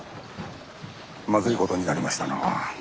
まずいことになりましたな。